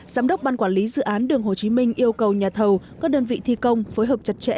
giám đốc ban quản lý dự án đường hồ chí minh yêu cầu nhà thầu các đơn vị thi công phối hợp chặt chẽ